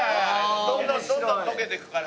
どんどんどんどん溶けていくから。